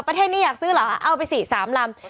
ประเทศนี้อยากซื้อหรอเอาไปสี่สามลำ